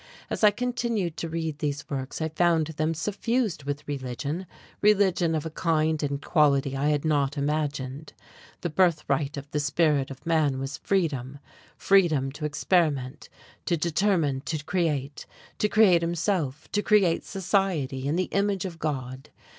As I continued to read these works, I found them suffused with religion, religion of a kind and quality I had not imagined. The birthright of the spirit of man was freedom, freedom to experiment, to determine, to create to create himself, to create society in the image of God!